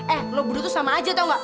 eh lo berdua tuh sama aja tau gak